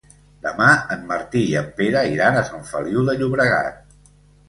Demà en Martí i en Pere iran a Sant Feliu de Llobregat.